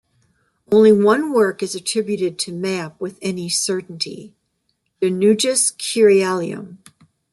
Only one work is attributed to Map with any certainty: "De Nugis Curialium".